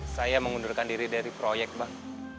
saya mengundurkan diri dari proyek bang